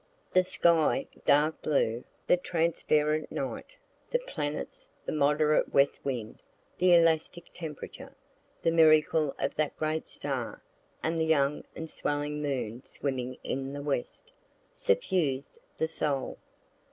The sky, dark blue, the transparent night, the planets, the moderate west wind, the elastic temperature, the miracle of that great star, and the young and swelling moon swimming in the west, suffused the soul.